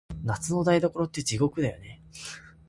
夏の台所って、地獄だよね。